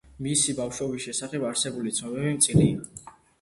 მისი ბავშვობის შესახებ არსებული ცნობები მწირია.